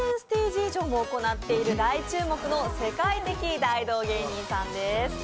以上も行っている大注目の世界的大道芸人さんです。